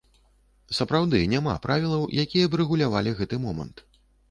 Сапраўды, няма правілаў, якія б рэгулявалі гэты момант.